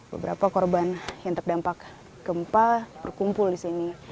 beberapa korban yang terdampak gempa berkumpul di sini